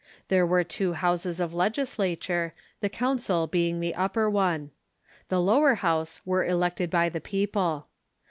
There Avere two houses of legislature, the council being the upper one. The lower house Avere elected by the people.